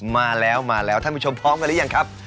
มาแล้วมาแล้วท่านผู้ชมพร้อมกันหรือยังครับ